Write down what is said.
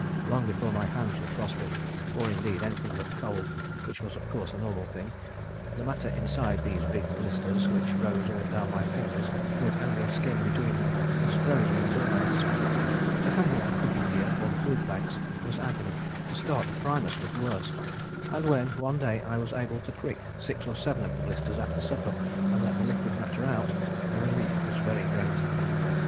Long before my hands were frost bitten, or indeed anything but cold, which was of course a normal thing, the matter inside these big blisters, which rose all down my fingers with only a skin between them, was frozen into ice. To handle the cooking gear or the food bags was agony; to start the primus was worse; and when, one day, I was able to prick six or seven of the blisters after supper and let the liquid matter out, the relief was very great.